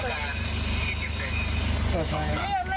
เรียบแม่เรียบแม่แม่แม่แม่